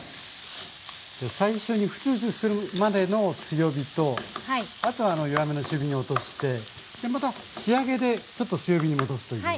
最初にフツフツするまでの強火とあとは弱めの中火に落としてまた仕上げでちょっと強火に戻すという。